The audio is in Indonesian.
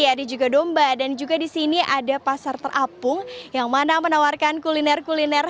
ada juga domba dan juga di sini ada pasar terapung yang mana menawarkan kuliner kuliner